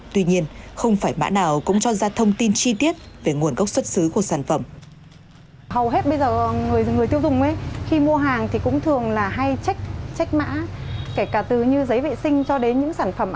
thì phải ghi rõ cái nguồn gốc xuất xứ của các cái sản phẩm